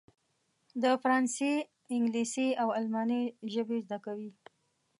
د فرانسې، انګلیسي او الماني ژبې زده کوي.